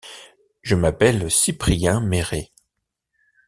Je m’appelle Cyprien Méré.